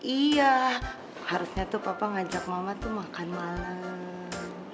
iya harusnya tuh papa ngajak mama tuh makan malam